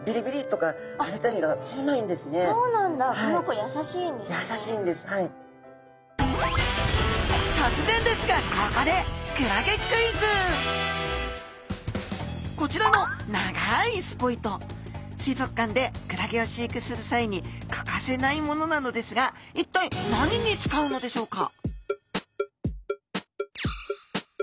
とつぜんですがここでこちらの水族館でクラゲを飼育する際に欠かせないものなのですがいったい何に使うのでしょうか？